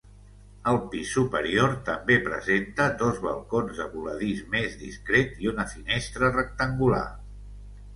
El pis superior també presenta dos balcons de voladís més discret i una finestra rectangular.